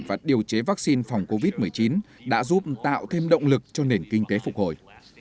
và điều chế vaccine phòng covid một mươi chín đã giúp tạo thêm động lực cho nền kinh tế phục hồi